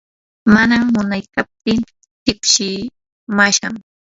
mana munaykaptii tipsimashqam.